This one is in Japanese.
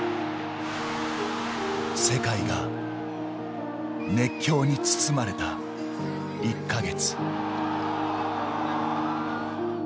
世界が熱狂に包まれた１か月。